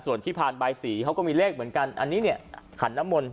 ส่วนที่ผ่านใบสีเขาก็มีเลขเหมือนกันอันนี้เนี่ยขันน้ำมนต